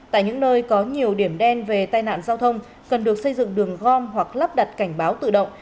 tại những nơi có nhiều điểm đen về tai nạn giao thông cần được xây dựng đường gom hoặc lắp đặt cảnh báo tự động